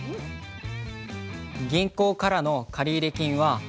銀行からの借入金は３５万円。